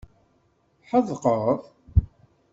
Tḥedqeḍ?